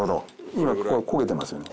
今ここが焦げてますよね。